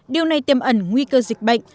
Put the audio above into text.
điều này tiêm ẩn nguy cơ dịch bệnh